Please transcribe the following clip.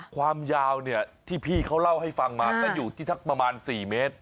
ความยาวที่พี่เขาเล่าให้ฟังมาก็อยู่ที่ทักประมาณ๔เมตร